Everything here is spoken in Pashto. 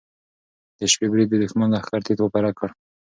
د شپې برید د دښمن لښکر تیت و پرک کړ.